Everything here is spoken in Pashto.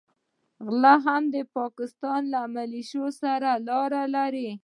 غله هم د پاکستان له مليشو سره لاره لري.